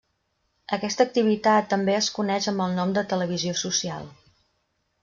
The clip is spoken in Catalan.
Aquesta activitat també es coneix amb el nom de televisió social.